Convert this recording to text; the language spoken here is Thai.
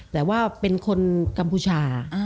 แต่ว่าเป็นคนกัมพูชา